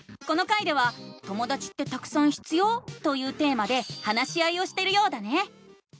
この回では「ともだちってたくさん必要？」というテーマで話し合いをしてるようだね！